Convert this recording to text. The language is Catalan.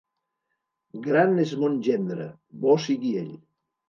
Gran és mon gendre, bo sigui ell.